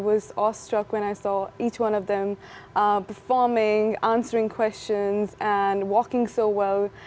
saya sangat terkejut ketika melihat setiap perempuan mereka berpersembah menjawab pertanyaan dan berjalan dengan baik